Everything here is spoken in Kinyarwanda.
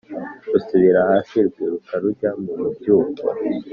rusubira hasi! rwiruka rujya mu mubyuko.